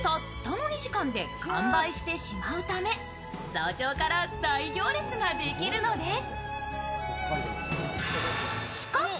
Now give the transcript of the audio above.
早朝から大行列ができるのです。